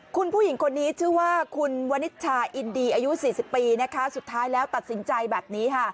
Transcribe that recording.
คุณผู้หญิงคนนี้ชื่อว่าคุณวนิชชาอินดีอายุ๔๐ปีนะคะสุดท้ายแล้วตัดสินใจแบบนี้ค่ะ